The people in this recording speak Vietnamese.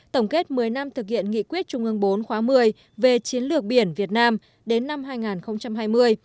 tổng kết một mươi năm thực hiện nghị quyết trung ương bốn khóa một mươi về chiến lược biển việt nam đến năm hai nghìn hai mươi